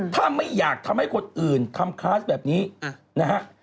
ถ้าไม่อยากทำให้คนอื่นทำคลาสแบบนี้นะฮะ